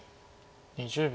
２０秒。